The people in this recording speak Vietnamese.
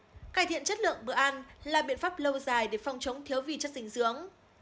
cải thiện chất lượng bữa ăn là biện pháp lâu dài để phòng chống thiếu vị chất dinh dưỡng